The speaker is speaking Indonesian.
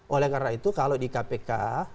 oleh karena itu kalau di kpk